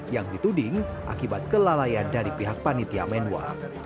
yang dituding akibat kelalaian dari pihak panitia menwa